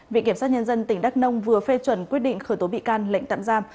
viện kiểm sát nhân dân tỉnh đắk nông vừa phê chuẩn quyết định khởi tố bị can lệnh tạm giam